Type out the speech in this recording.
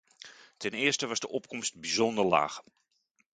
Ten eerste was de opkomst bijzonder laag.